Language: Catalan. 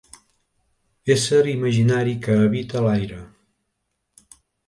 Ésser imaginari que habita l'aire.